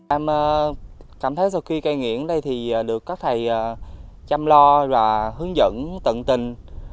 em cảm thấy sau khi cai nghiện ở đây thì được các thầy chăm lo và hướng dẫn tận tình